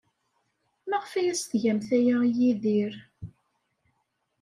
Maɣef ay as-tgamt aya i Yidir?